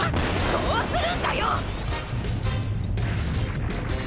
こうするんだよ！